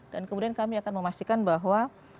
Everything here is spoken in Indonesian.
dan kemudian kami akan memastikan bahwa